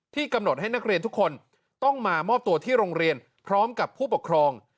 กำหนดให้นักเรียนทุกคนต้องมามอบตัวที่โรงเรียนพร้อมกับผู้ปกครอง